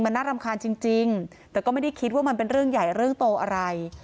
มันน่ารำคาญจริงแต่ก็ไม่ได้คิดว่ามันเป็นเรื่องใหญ่เรื่องโตอะไร